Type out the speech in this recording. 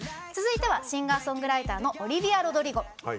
続いてはシンガーソングライターのオリヴィア・ロドリゴ。